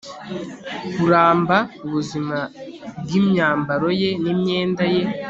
kuramba ubuzima bwimyambaro ye n imyenda ye